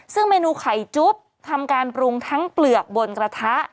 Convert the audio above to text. ซึ่งเมนูไข่จุ๊บทำการปรุงทั้งเปลือกบนกระทะ